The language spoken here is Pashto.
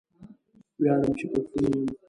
ویاړم چې پښتون یم